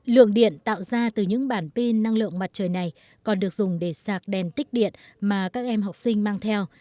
lượng điện tạo ra từ những bản pin năng lượng mặt trời này còn được dùng để sạc đèn tích điện mà các em học sinh mang theo